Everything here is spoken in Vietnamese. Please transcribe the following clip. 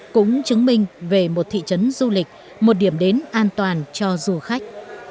cũng chứng minh về một thị trấn du lịch một điểm đến an toàn cho du khách